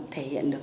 thể hiện được